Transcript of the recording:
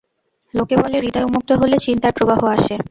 লোকে বলে হৃদয় উন্মুক্ত হলে চিন্তার প্রবাহ আসে।